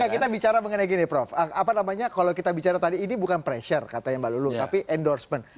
kita bicara mengenai gini prof apa namanya kalau kita bicara tadi ini bukan pressure katanya mbak lulung tapi endorsement